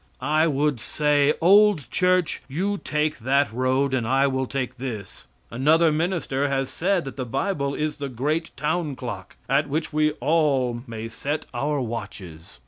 I would say, "Old Church, you take that road and I will take this." Another minister has said that the Bible is the great town clock, at which we all may set our watches.